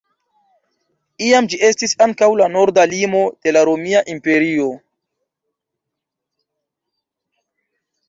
Iam ĝi estis ankaŭ la norda limo de la Romia Imperio.